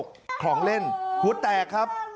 เกิดพลัดตกของเล่นหุดแตกครับ